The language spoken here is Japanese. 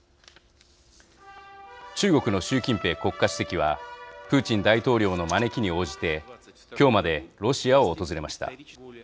中国の習近平国家主席はプーチン大統領の招きに応じて今日までロシアを訪れました。